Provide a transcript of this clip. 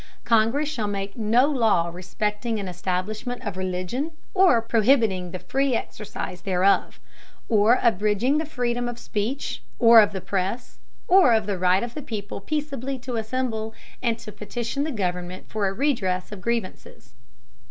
Congress shall make no law respecting an establishment of religion, or prohibiting the free exercise thereof; or abridging the freedom of speech, or of the press; or the right of the people peaceably to assemble, and to petition the Government for a redress of grievances.